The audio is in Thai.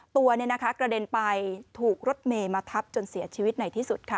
ตัวกระเด็นไปถูกรถเมย์มาทับจนเสียชีวิตในที่สุดค่ะ